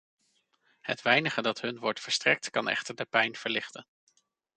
Het weinige dat hun wordt verstrekt kan echter de pijn verlichten.